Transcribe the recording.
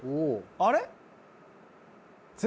あれ？